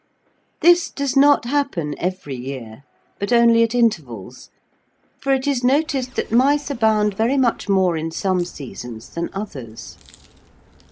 This does not happen every year, but only at intervals, for it is noticed that mice abound very much more in some seasons than others.